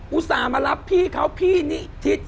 อุตส่าห์มารับพี่เขาพี่นิทิศ